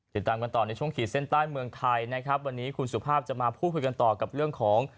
ติดตามกันต่อในช่วงขีดเส้นใต้เมืองไทยนะครับวันนี้คุณสุภาพจะมาพูดคุยกันต่อกับเรื่องของ